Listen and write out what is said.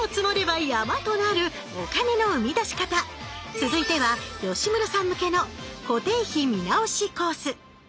続いては吉村さん向けの「固定費見直しコース」